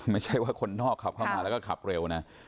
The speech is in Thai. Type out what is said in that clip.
ไม่ใช่ว่าคนนอกขับเข้ามาแล้วก็ขับเร็วนะ